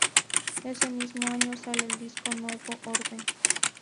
Ese mismo año sale el disco ""Nuevo Orden"".